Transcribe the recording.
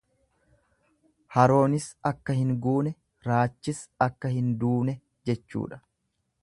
Haroonis akka hin guune raachis akka hin duune jechuudha.